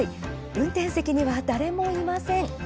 運転席には誰もいません。